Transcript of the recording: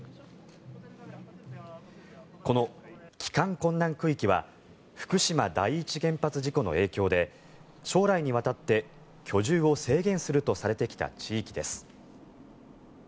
この帰還困難区域は福島第一原発事故の影響で将来にわたって居住を制限するとされてきた地域です。